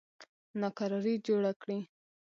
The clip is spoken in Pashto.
ناکراري جوړه کړي.